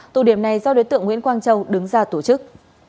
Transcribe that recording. tù điểm này do đối tượng nguyễn quang châu đứng ra tổ chức